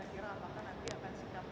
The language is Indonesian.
dan kira kira apakah nanti akan singkat